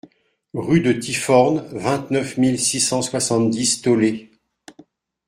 Rue de Ty-Forn, vingt-neuf mille six cent soixante-dix Taulé